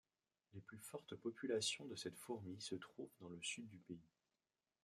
Les plus fortes populations de cette fourmi se trouvent dans le sud du pays.